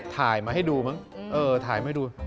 ถ่ายมาให้ดูมั้งเออถ่ายมาดู